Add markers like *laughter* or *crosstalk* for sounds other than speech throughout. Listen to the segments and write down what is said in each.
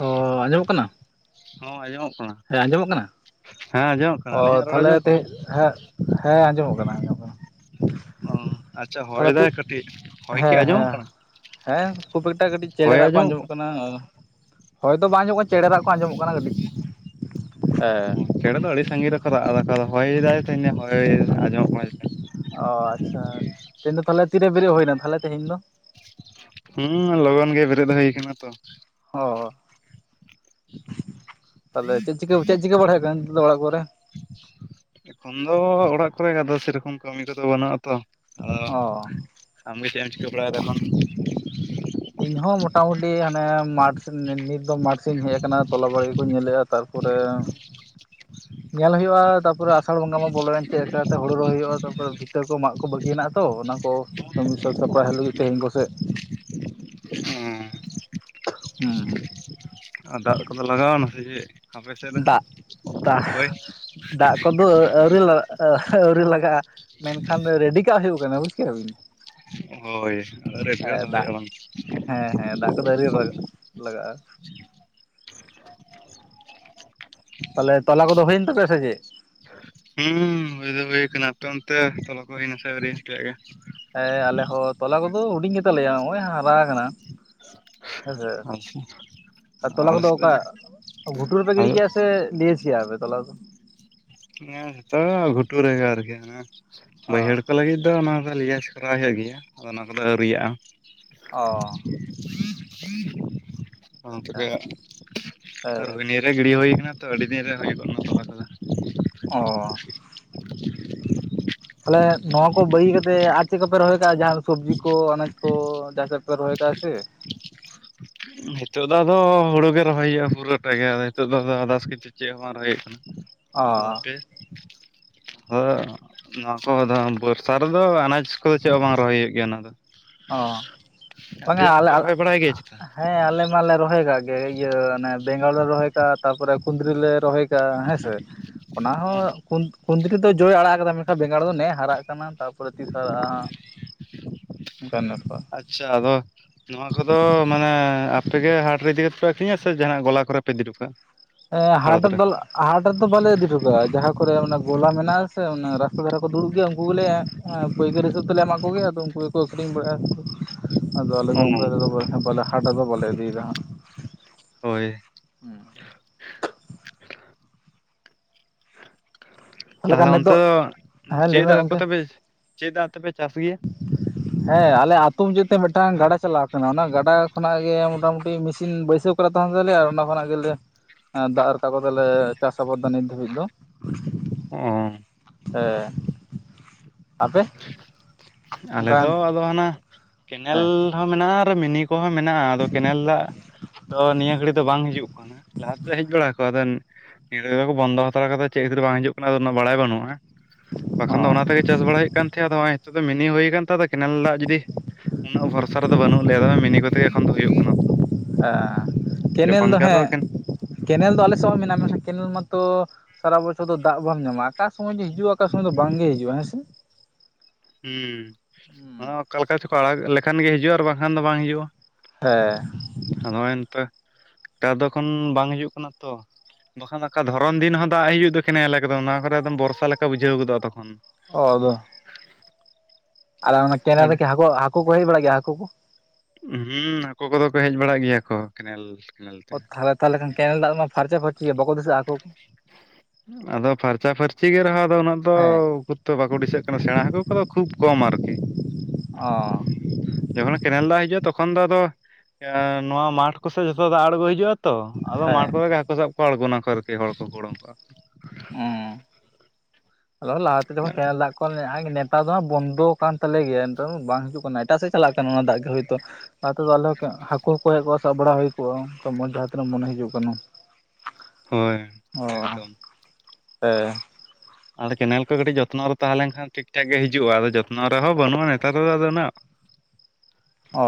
ᱦᱚᱻ ᱟᱸᱡᱚᱢᱚᱜ ᱠᱟᱱᱟ? ᱦᱚᱸ ᱟᱡᱚᱢᱚᱜ ᱠᱟᱱᱟ᱾ ᱦᱮᱸ ᱟᱸᱡᱚᱢᱚᱜ ᱠᱟᱱᱟ? ᱦᱮᱸ ᱟᱸᱡᱚᱢᱚᱜ ᱠᱟᱱᱟ ᱚ ᱟᱹᱞᱤᱧᱟᱜ ᱨᱚᱲ ᱛᱟᱦᱞᱮ ᱟᱸᱡᱚᱢᱚᱜ ᱠᱟᱱᱟ ᱛᱮᱦᱮᱧ ᱦᱮᱸ ᱦᱮᱸ ᱟᱸᱡᱚᱢᱚᱜ ᱠᱟᱱᱟ ᱟᱸᱡᱚᱢ᱾ ᱚ ᱟᱪᱪᱷᱟ ᱦᱚᱭ ᱛᱟᱦᱚᱞᱮ ᱛᱮ ᱫᱟᱭ ᱠᱟᱹᱴᱤᱡ, ᱦᱚᱭ ᱠᱤ ᱦᱮᱸ ᱟᱸᱡᱚᱢᱚᱜ ᱦᱮᱸ ᱠᱟᱱᱟ? ᱦᱮᱸ ᱠᱷᱩᱵ ᱮᱠᱴᱟ ᱠᱟᱹᱴᱤᱡ ᱪᱮᱲᱮ ᱨᱟᱜ ᱠᱚ ᱟᱸᱡᱚᱢᱚᱜ ᱠᱟᱱᱟ ᱦᱚᱭ ᱫᱚ ᱵᱟᱝ ᱟᱸᱡᱚᱢᱚᱜ ᱠᱟᱱᱟ ᱪᱮᱬᱮ ᱨᱟᱜ ᱠᱚ ᱟᱸᱡᱚᱢᱚᱜ ᱠᱟᱱᱟ ᱠᱟᱹᱴᱤᱡ ᱦᱮᱸ ᱚ ᱪᱮᱬᱮ ᱫᱚ ᱟᱹᱰᱤ ᱥᱟᱺᱜᱤᱧ ᱨᱮᱠᱚ ᱨᱟᱜ ᱮᱫᱟ ᱦᱚᱭ ᱫᱟᱭ ᱛᱮ ᱦᱚᱭ ᱟᱸᱡᱚᱢᱚᱜ ᱠᱟᱱᱟ ᱪᱮ ᱚ ᱟᱪᱪᱷᱟ ᱟᱪᱪᱷᱟ ᱛᱤᱦᱤᱧ ᱫᱚ ᱛᱟᱦᱞᱮ ᱛᱤᱨᱮ ᱵᱮᱨᱮᱫ ᱦᱳᱭ ᱱᱟ ᱛᱟᱦᱚᱞᱮ ᱛᱤᱦᱤᱧ ᱫᱚ ᱦᱩᱸ ᱞᱚᱜᱚᱱ ᱜᱮ ᱵᱮᱨᱮᱫ ᱦᱩᱭ ᱠᱟᱱᱟ ᱛᱚ ᱚ ᱛᱟᱦᱚᱞᱮ ᱪᱮᱫ ᱪᱤᱠᱟᱹ ᱪᱮᱫ ᱪᱤᱠᱟᱹ ᱵᱟᱲᱟ ᱦᱚᱭᱚᱜ ᱠᱟᱱᱟ ᱱᱤᱛ ᱫᱚ ᱚᱲᱟᱜ ᱠᱚᱨᱮ ᱮᱠᱷᱚᱱ ᱫᱚ ᱚᱲᱟᱜ ᱠᱚᱨᱮ ᱜᱮᱫᱚ ᱥᱮᱨᱚᱠᱚᱢ ᱠᱟᱹᱢᱤ ᱠᱚᱫᱚ ᱵᱟᱹᱱᱩᱜᱼᱟ ᱛᱚ ᱟᱫᱚ ᱚ ᱟᱢᱜᱮ ᱪᱮᱫ ᱮᱢ ᱪᱤᱠᱟᱹ ᱵᱟᱲᱟᱭ ᱫᱟ ᱚᱠᱷᱚᱱ ᱤᱧ ᱦᱚᱸ ᱢᱚᱴᱟᱢᱩᱴᱤ ᱦᱟᱱᱮ ᱢᱟᱴ ᱱᱤᱛ ᱫᱚ ᱢᱟᱴ ᱥᱮᱧ ᱦᱮᱡ ᱟᱠᱟᱱᱟ ᱛᱚᱞᱟ ᱵᱟᱲᱜᱮ ᱠᱚᱧ ᱧᱮᱞᱮᱫᱼᱟ ᱛᱟᱨ ᱛᱟᱯᱚᱨᱮ ᱧᱮᱞ ᱦᱚᱭᱳᱜᱼᱟ ᱛᱟᱯᱚᱨᱮ ᱟ ᱟᱥᱟᱲ ᱵᱚᱸᱜᱟ ᱢᱟ ᱵᱚᱞᱚᱭ ᱮᱱ ᱛᱮ *unintelligible* ᱛᱮ ᱦᱚᱲᱳ ᱨᱚᱦᱚᱭ ᱦᱚᱭᱳᱜᱼᱟ ᱛᱟᱯᱚᱨᱮ ᱵᱷᱤᱛᱟᱹ ᱠᱚ ᱢᱟᱜ ᱠᱚ ᱠᱚ ᱵᱟᱹᱜᱤ ᱦᱮᱱᱟᱜᱼᱟ ᱛᱚ ᱚᱱᱟ ᱠᱚ ᱠᱟᱹᱢᱤ ᱥᱟᱹᱛ ᱥᱟᱯᱲᱟᱣ ᱞᱟᱹᱜᱤᱫ ᱛᱮᱦᱮᱧ ᱠᱚᱥᱮᱡ ᱦᱩᱸ ᱦᱮᱸ ᱫᱟᱜ ᱠᱚᱫᱚ ᱞᱟᱜᱟᱣᱱᱟ ᱥᱮ ᱪᱮᱫ ᱟᱯᱮ ᱥᱮᱫ ᱨᱮ ᱫᱟᱜ ᱫᱟᱜ ᱦᱳᱭᱼᱼ ᱟᱦ ᱦᱟ. ᱟᱹᱣᱨᱤ ᱞᱟᱜᱟᱜᱼᱟ ᱢᱮᱱ ᱠᱷᱟᱱ ᱨᱮᱰᱤ ᱠᱟᱜ ᱦᱩᱭᱩᱜ ᱠᱟᱱᱟ ᱵᱩᱡ ᱠᱮᱫᱟ ᱵᱤᱱ ᱦᱳᱭ ᱟᱫᱚ ᱨᱮᱰᱤᱭᱳ ᱦᱮᱸ ᱫᱚᱦᱚᱭ ᱫᱟᱜ ᱟᱵᱚᱱ ᱦᱮᱸ ᱦᱮᱸ ᱫᱟᱜ ᱠᱚᱫᱚ ᱟᱣᱨᱤ ᱞᱟᱜᱟᱜᱼᱟ ᱛᱟᱦᱞᱮ ᱛᱚᱞᱟ ᱠᱚᱫᱚ ᱦᱩᱭ ᱮᱱ ᱛᱟᱯᱮᱭᱟ ᱥᱮ ᱪᱮᱫ *unintelligible* ᱦᱩᱸ ᱦᱩᱭ ᱫᱚ ᱦᱩᱭ ᱠᱟᱱᱟ ᱟᱯᱮ ᱚᱱᱛᱮ ᱛᱚᱞᱞᱟ ᱠᱚ ᱦᱩᱭᱱᱟ ᱥᱮ ᱟᱣᱨᱤ *unintelligible* ᱦᱮᱸ ᱟᱞᱮ ᱦᱚᱸ ᱛᱚᱞᱟ ᱠᱚᱫᱚ ᱦᱩᱰᱤᱧ ᱜᱮᱛᱟᱟᱞᱮᱭᱟ ᱱᱚᱜᱼᱚᱭ ᱦᱟᱨᱟ ᱟᱠᱟᱱᱟ ᱦᱮᱸᱥᱮ ᱟᱨ ᱛᱚᱞᱟ ᱟᱞᱮ ᱠᱚᱫᱚ ᱥᱮᱫ ᱚᱠᱟ ᱫᱚ ᱜᱷᱩᱴᱩ ᱨᱮᱯᱮ ᱜᱤᱰᱤ ᱟᱞᱮ ᱠᱮᱭᱟ ᱥᱮ ᱫᱤᱭᱮᱥᱮᱭᱟᱨ ᱨᱮ ᱛᱚᱞᱟ ᱫᱚ ᱦᱮᱸᱛᱚ ᱜᱷᱩᱴᱩ ᱨᱮᱜᱮ ᱟᱨᱠᱤ ᱚ ᱵᱟᱹᱭᱦᱟᱹᱲ ᱠᱚ ᱞᱟᱹᱜᱤᱫ ᱫᱚ ᱚᱱᱟ ᱫᱚ ᱞᱤᱭᱟᱡ ᱥᱚᱨᱦᱟᱭ ᱦᱩᱭᱩᱜ ᱜᱮᱭᱟ ᱟᱫᱚ ᱚᱱᱟ ᱠᱚᱫᱚ ᱟᱹᱣᱨᱤᱭᱟᱜᱼᱟ ᱚ ᱟᱪᱪᱷᱟ ᱛᱚᱵᱮ ᱦᱮᱸ ᱨᱮᱢᱤᱞ ᱨᱮ ᱜᱤᱲᱤ ᱦᱩᱭ ᱟᱠᱟᱱᱟ ᱛᱚ ᱟᱹᱰᱤ ᱫᱤᱱ ᱨᱮ ᱦᱚᱭᱜᱚᱜ ᱱᱟ ᱛᱚᱞᱟ ᱠᱚᱫᱚ ᱚ ᱛᱟᱦᱞᱮ ᱱᱚᱣᱟ ᱠᱚ ᱵᱟᱹᱜᱤ ᱠᱟᱛᱮ ᱟᱨ ᱪᱮᱫ ᱠᱚᱯᱮ ᱨᱚᱦᱚᱭ ᱠᱟᱜᱼᱟ ᱡᱟᱦᱟ ᱥᱚᱵᱽᱡᱤ ᱠᱚ ᱟᱱᱟᱡ ᱠᱚ ᱡᱟᱦᱟᱸ ᱥᱮᱫ ᱯᱮ ᱨᱚᱦᱚᱭ ᱠᱟᱜᱼᱟ ᱥᱮ ᱱᱤᱛᱳ ᱫᱚ ᱟᱫᱚ ᱦᱚᱲᱳ ᱜᱮ ᱨᱚᱦᱚᱭ ᱦᱚᱭᱳᱜᱼᱟ ᱯᱩᱨᱟᱹᱴᱟ ᱜᱮ ᱟᱫᱚ ᱱᱤᱛᱚᱜ ᱫᱚ ᱟᱫᱚ ᱟᱫᱟᱥ ᱠᱤᱪᱤ ᱪᱮᱫ ᱦᱚ ᱵᱟᱝ ᱨᱚᱦᱚᱭ ᱦᱚᱭᱳᱜ ᱚ ᱠᱟᱱᱟ ᱟ ᱯᱮ *inaudible* ᱟ ᱱᱚᱣᱟ ᱠᱚᱫᱚ ᱵᱚᱨᱥᱟ ᱨᱮᱫᱚ ᱟᱱᱟᱡ ᱠᱚᱫᱚ ᱪᱮᱫ ᱦᱚᱸ ᱵᱟᱝ ᱨᱚᱦᱚᱭ ᱦᱚᱭᱳᱜ ᱜᱮᱭᱟ ᱚᱣᱱᱟ ᱫᱚ ᱚ ᱟᱯᱮ ᱵᱟᱝᱟ ᱡᱟᱦᱟᱱᱟᱜ ᱟᱞᱮ ᱯᱮ ᱟᱞᱮ ᱨᱚᱦᱚᱭ ᱵᱟᱲᱟᱭ ᱜᱮᱭᱟ ᱪᱮᱛᱟ ᱦᱮᱸ ᱟᱞᱮ ᱢᱟᱞᱮ ᱨᱚᱦᱚᱭ ᱠᱟᱜ ᱜᱮ ᱤᱭᱟᱹ ᱵᱮᱜᱟᱲ ᱞᱮ ᱨᱚᱦᱚᱭ ᱛᱟᱯᱚᱨᱮ ᱠᱩᱸᱫᱽᱨᱤ ᱞᱮ ᱨᱚᱦᱚᱭ ᱠᱟᱜᱼᱟ ᱦᱮᱸᱥᱮ ᱚᱱᱟ ᱦᱚᱸ ᱠᱩᱱᱫᱽᱨᱤ ᱫᱚ ᱡᱚᱭ ᱟᱲᱟᱜ ᱟᱠᱟᱫᱟ ᱢᱮᱱᱠᱷᱟᱱ ᱵᱮᱸᱜᱟᱲ ᱫᱚ ᱱᱮ ᱦᱟᱨᱟᱜ ᱠᱟᱱᱟ ᱛᱟᱨᱯᱚᱨᱮ ᱛᱤᱥ ᱦᱟᱨᱟᱜᱼᱟ ᱚᱱᱠᱟᱱ ᱵᱮᱯᱟᱨ ᱟᱪᱪᱷᱟ ᱟᱫᱚᱼᱼ ᱱᱚᱣᱟ ᱠᱚ ᱫᱚ ᱢᱟᱱᱮ ᱟᱯᱮ ᱜᱮ ᱦᱟᱴᱨᱮ ᱤᱫᱤ ᱠᱟᱛᱮᱫ ᱯᱮ ᱟᱹᱠᱷᱨᱤᱧᱟ ᱥᱮ ᱡᱟᱦᱟᱱᱟᱜ ᱜᱚᱞᱟ ᱠᱚᱨᱮ ᱯᱮ ᱤᱫᱤ ᱦᱚᱴᱚ ᱠᱟᱜᱼᱟ ᱮ ᱦᱟᱴ ᱟᱲᱚᱛ ᱨᱮ ᱫᱚᱞᱟ ᱦᱟᱴ ᱫᱚᱞᱮ ᱵᱟᱞᱮ ᱤᱫᱤ ᱦᱚᱴᱚ ᱠᱟᱜᱼᱟ ᱡᱟᱦᱟᱸ ᱠᱚᱨᱮ ᱚᱱᱟ ᱜᱚᱞᱟ ᱢᱮᱱᱟᱜᱼᱟ ᱥᱮ ᱨᱟᱥᱛᱟ ᱫᱷᱟᱨᱟ ᱠᱚ ᱫᱩᱲᱩᱵ ᱜᱮᱭᱟ *unintelligible* ᱩ *unintelligible* ᱜᱮᱞᱮ ᱯᱟᱹᱭᱠᱟᱹᱨ ᱦᱤᱥᱟᱹᱵ ᱛᱮᱞᱮ ᱮᱢᱟ ᱠᱚᱜᱮᱭᱟ ᱟᱫᱚ ᱩᱱᱠᱩ ᱜᱮᱠᱚ ᱟᱹᱠᱷᱨᱤᱧ ᱵᱟᱲᱟᱜᱼᱟ। ᱟᱫᱚ ᱟᱞᱮ ᱚ ᱫᱚ ᱚᱱᱠᱟ ᱫᱚ *unintelligible* ᱵᱟᱞᱮ ᱦᱟᱴ ᱟᱫᱚ ᱵᱟᱞᱮ ᱤᱫᱤᱭᱮᱫᱟ ᱦᱟᱸᱜ। ᱦᱳᱭ᱾ ᱦᱮᱸ᱾ ᱛᱟᱦᱚᱞᱮ ᱠᱷᱟᱱ ᱛᱟᱦᱟᱞᱮ ᱚᱱᱛᱮ ᱱᱤᱛᱚᱜ ᱫᱚ ᱦᱮᱸ ᱞᱟᱹᱭ ᱪᱮᱫ ᱢᱮ ᱫᱟᱜ ᱜᱚᱝᱠᱮ ᱠᱚᱛᱮᱯᱮ ᱪᱮᱫ ᱫᱟᱜ ᱛᱮᱯᱮ ᱪᱟᱥ ᱜᱮᱭᱟ? *inaudible* ᱦᱮᱸ ᱟᱞᱮ ᱟᱛᱩ ᱢᱩᱪᱟᱹᱫ ᱛᱮ ᱢᱤᱫᱴᱟᱝ ᱜᱟᱰᱟ ᱪᱟᱞᱟᱣ ᱠᱟᱱᱟ, ᱚᱱᱟ ᱜᱟᱰᱟ ᱠᱷᱚᱱᱟᱜ ᱜᱮ ᱢᱚᱴᱟᱢᱩᱴᱤ ᱢᱮᱥᱤᱱ ᱵᱟᱹᱭᱥᱟᱹᱣ ᱼᱼ ᱠᱚᱨᱮ ᱛᱟᱦᱮᱱ ᱛᱟᱞᱮᱭᱟ ᱟᱨ ᱚᱱᱟ ᱠᱷᱚᱱᱟᱜ ᱜᱮᱞᱮᱼᱼ ᱦᱮᱸ ᱫᱟᱜ ᱨᱟᱠᱟ ᱠᱟᱛᱮᱞᱮ ᱪᱟᱥ ᱟᱵᱟᱫᱽᱫᱟ ᱱᱤᱛ ᱫᱷᱟᱹᱵᱤᱡ ᱫᱚ। ᱚᱝ᱾ ᱦᱮ, ᱟᱯᱮ? ᱟᱞᱮ ᱚᱱᱠᱟᱱ ᱫᱚ ᱟᱫᱚ ᱦᱟᱱᱟ ᱠᱮᱱᱮᱞᱼᱼ ᱦᱮᱸ ᱦᱚᱸ ᱢᱮᱱᱟᱜᱼᱟ ᱟᱨ ᱢᱤᱱᱤ ᱠᱚᱦᱚᱸ ᱢᱮᱱᱟᱜᱼᱟ, ᱟᱫᱚ ᱠᱮᱱᱮᱞ ᱫᱟᱜ ᱫᱚ ᱱᱤᱭᱟᱹ ᱜᱷᱟᱹᱲᱤᱡ ᱫᱚ ᱵᱟᱝ ᱦᱤᱡᱩᱜ ᱠᱟᱱᱟ। ᱞᱟᱦᱟ ᱛᱮᱫᱚ ᱦᱮᱡ ᱵᱟᱲᱟ ᱠᱚᱜᱼᱟ, ᱟᱫᱚᱱ ᱱᱤᱭᱟᱹ ᱫᱷᱟᱣ ᱫᱚ ᱠᱚ ᱵᱚᱱᱫᱚ ᱦᱟᱛᱟᱲ ᱠᱟᱫᱟ᱾ ᱪᱮᱫ ᱠᱷᱟᱹᱛᱤᱨ ᱵᱟᱝ ᱦᱤᱡᱩᱜ ᱠᱟᱱᱟ ᱟᱫᱚ ᱩᱱᱟᱹᱜ ᱵᱟᱲᱟᱭ ᱵᱟᱹᱱᱩᱜᱼᱟ। ᱚ ᱵᱟᱠᱷᱟᱱ ᱫᱚ ᱚᱱᱟ ᱛᱮᱜᱮ ᱪᱟᱥ ᱵᱟᱲᱟᱭ ᱦᱩᱭᱩᱜ ᱠᱟᱱ ᱛᱟᱸᱦᱮᱜ। ᱟᱫᱚ ᱦᱚᱜ-ᱚᱭ ᱦᱤᱛᱳᱜ ᱫᱚ ᱢᱤᱱᱤ ᱦᱩᱭ ᱟᱠᱟᱱ ᱛᱮ ᱫᱚ ᱠᱮᱱᱮᱞ ᱫᱟᱜ ᱡᱩᱫᱤᱼᱼ ᱩᱱᱟᱹᱜ ᱵᱷᱚᱨᱥᱟ ᱨᱮᱫᱚ ᱵᱟᱹᱱᱩᱜ ᱞᱮᱭᱟ, ᱟᱫᱚ ᱢᱤᱱᱤ ᱠᱚᱛᱮᱜᱮ ᱮᱠᱷᱚᱱ ᱫᱚ ᱦᱩᱭᱩᱜ ᱠᱟᱱᱟ। ᱦᱮᱸ, ᱠᱮᱱᱮᱞ ᱡᱚᱠᱷᱚᱱ ᱫᱚ ᱜᱮ ᱟᱫᱚ ᱦᱮᱸ ᱦᱩᱸ ᱠᱮᱱᱮᱞ ᱫᱚ ᱟᱞᱮ ᱥᱮᱫ ᱦᱚᱸ ᱢᱮᱱᱟᱜᱼᱟ, ᱢᱮᱱᱠᱷᱟᱱ ᱠᱮᱱᱮᱞ ᱢᱟᱛᱚᱼᱼ ᱥᱟᱨᱟ ᱵᱚᱪᱷᱚᱨ ᱫᱚ ᱫᱟᱜ ᱵᱟᱢ ᱧᱟᱢᱟ᱾ ᱚᱠᱟ ᱥᱚᱢᱚᱭ ᱡᱮ ᱦᱤᱡᱩᱜᱼᱟ ᱚᱠᱟ ᱥᱚᱢᱚᱭ ᱫᱚ ᱵᱟᱝ ᱜᱮ ᱦᱤᱡᱩᱜᱼᱟ। ᱦᱮᱸ ᱥᱮ? ᱦᱩᱸ ᱱᱚᱣᱟ ᱚᱠᱟᱞᱠᱟ ᱪᱚᱠᱚ ᱟᱲᱟᱜ ᱞᱮᱠᱷᱟᱱ ᱜᱮ ᱦᱤᱡᱩᱜᱼᱟ ᱟᱨ ᱵᱟᱝᱠᱷᱟᱱ ᱫᱚ ᱵᱟᱝ ᱦᱤᱡᱩᱜᱼᱟ। ᱦᱮᱸ᱾ ᱠᱷᱟ ᱫᱚ ᱦᱚᱸᱜᱼᱚᱭ ᱱᱮᱛᱳ ᱴᱟ ᱫᱚ ᱮᱠᱷᱚᱱ ᱵᱟᱝ ᱦᱤᱡᱩᱜ ᱠᱟᱱᱟ ᱛᱚ᱾ ᱵᱟᱠᱷᱟᱱ ᱟᱠᱟ ᱫᱷᱚᱨᱚᱢ ᱫᱤᱱ ᱦᱚᱸ ᱫᱟᱜ ᱦᱤᱡᱩᱜ ᱫᱚ ᱠᱮᱱᱮᱞ ᱮᱠᱫᱚᱢ ᱱᱚᱣᱟ ᱠᱚᱨᱮ ᱫᱚᱚᱢ ᱵᱚᱨᱥᱟ ᱞᱮᱠᱟ ᱵᱩᱡᱷᱟᱹᱣ ᱜᱚᱫᱚᱜ ᱛᱚᱠᱷᱚᱱ। ᱚ ᱟᱫᱚ ᱟᱨ ᱚᱱᱟ ᱠᱮᱱᱮᱞ ᱟᱹᱰᱤ ᱨᱮᱠᱤ ᱦᱟᱹᱠᱩ ᱦᱟᱹᱠᱩ ᱠᱚ ᱦᱮᱡ ᱵᱟᱲᱟᱜ ᱜᱮᱭᱟ ᱦᱟᱹᱠᱩ ᱠᱚ? ᱦᱩᱸ ᱦᱟᱹᱠᱩ ᱠᱚᱫᱚ ᱠᱚ ᱦᱮᱡ ᱵᱟᱲᱟᱜ ᱜᱮᱭᱟ ᱠᱚ। ᱠᱮᱱᱮᱞᱼᱼ ᱚ ᱛᱟᱦᱞᱮ ᱛᱟᱦᱟᱞᱮ ᱠᱷᱟᱱ ᱠᱮᱱᱮᱞ ᱫᱟᱜ ᱢᱟ ᱯᱷᱟᱨᱪᱟ ᱯᱷᱟᱨᱪᱤ ᱜᱮᱭᱟ, ᱵᱟᱠᱚ ᱫᱤᱥᱟᱹᱜᱼᱟ ᱦᱟᱹᱠᱩ? ᱟᱫᱚ ᱯᱷᱟᱨᱪᱟ ᱯᱷᱟᱨᱪᱤ ᱜᱮ ᱨᱮᱦᱚᱸ ᱟᱫᱚ ᱩᱱᱟᱹᱜ ᱫᱚᱼᱼ ᱦᱮᱸ ᱛᱚ ᱵᱟᱠᱚ ᱰᱤᱥᱤᱥᱟᱹᱜ ᱠᱟᱱᱟ। ᱥᱮᱬᱟ ᱦᱟᱹᱠᱩ ᱠᱚᱫᱚ ᱠᱷᱩᱵ ᱠᱚᱢ ᱟᱨᱠᱤ। ᱚ᱾ ᱡᱚᱠᱷᱚᱱ ᱠᱮᱱᱮᱞ ᱫᱟᱜ ᱦᱤᱡᱩᱜᱼᱟ ᱛᱚᱠᱷᱚᱱ ᱫᱚ ᱟᱫᱚ ᱮ ᱱᱚᱣᱟ ᱢᱟᱴᱷ ᱠᱚᱥᱮᱫ ᱡᱷᱚᱛᱚ ᱫᱟᱜ ᱟᱬᱜᱚ ᱦᱤᱡᱩᱜᱼᱟ ᱛᱚ᱾ ᱟᱫᱚ ᱦᱮᱸ ᱢᱟᱴᱷ ᱠᱚᱨᱮ ᱜᱮ ᱦᱟᱹᱠᱩ ᱥᱟᱵ ᱠᱚ ᱟᱬᱜᱚᱱᱟ ᱠᱚ ᱟᱨᱠᱤ᱾ ᱦᱚᱲ ᱠᱚᱠᱚ ᱩᱰᱩᱝ ᱠᱚᱜᱼᱟ। ᱦᱚᱸ ᱟᱞᱮ ᱦᱚᱸ ᱞᱟᱦᱟᱛᱮ ᱡᱚᱠᱷᱚᱱ ᱠᱮᱱᱮᱞ ᱫᱟᱜ ᱠᱚ ᱠᱦᱚᱱ *unintelligible* ᱱᱮᱛᱟᱨ ᱫᱚ ᱦᱟᱸᱜ ᱵᱚᱱᱫᱚ ᱠᱟᱱ ᱛᱟᱞᱮ ᱜᱮᱭᱟ ᱱᱮᱛᱟᱝ ᱫᱚ ᱵᱟᱝ ᱦᱤᱡᱩᱜ ᱠᱟᱱᱟ᱾ ᱮᱴᱟᱜ ᱥᱮᱫ ᱪᱟᱞᱟᱜ ᱠᱟᱱᱟ ᱚᱱᱟ ᱫᱟᱜ ᱜᱮ ᱦᱳᱭᱛᱳ। ᱞᱟᱦᱟ ᱛᱮᱫᱚ ᱟᱞᱮ ᱦᱚᱸ ᱠᱮ ᱦᱚᱸᱠᱩ ᱦᱚᱸᱠᱚ ᱦᱮᱡ ᱠᱚᱜᱼᱟ, ᱥᱟᱵ ᱵᱟᱲᱟ ᱦᱩᱭ ᱠᱚᱜᱼᱟ ᱚᱱᱠᱟ ᱢᱚᱸᱡᱽ ᱡᱟᱦᱟᱸ ᱛᱱᱟᱹᱜ ᱢᱚᱱᱮ ᱦᱤᱡᱩᱜ ᱠᱟᱱᱟ। ᱦᱳᱭ ᱚ, ᱮᱠᱫᱚᱢ ᱦᱮᱸ᱾ ᱟᱫᱚ ᱠᱮᱱᱮᱞ ᱠᱚ ᱠᱟᱹᱴᱤᱡ ᱡᱚᱛᱱᱚ ᱨᱮ ᱛᱟᱦᱮᱸ ᱞᱮᱱᱠᱷᱟᱱ ᱴᱷᱤᱠ ᱴᱷᱟᱠ ᱜᱮ ᱦᱤᱡᱩᱜᱼᱟ᱾ ᱟᱫᱚ ᱡᱚᱛᱱᱚ ᱨᱮᱦᱚᱸ ᱵᱟᱹᱱᱩᱜᱼᱟ ᱱᱮᱛᱟᱨ ᱫᱚ ᱟᱫᱚ ᱩᱱᱟᱹᱜ। ᱚᱻ᱾